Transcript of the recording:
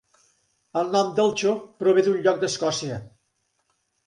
El nom d'Elcho prové d'un lloc d'Escòcia.